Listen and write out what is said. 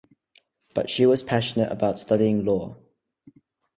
But she was passionate about studying law.